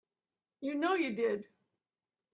You know you did.